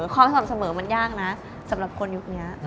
สม่ำเสมอมันยากนะสำหรับคนยุคนี้